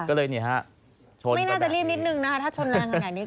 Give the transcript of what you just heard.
ก็เลยนี่ฮะชนไม่น่าจะรีบนิดนึงนะคะถ้าชนแรงขนาดนี้